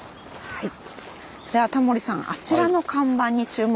はい。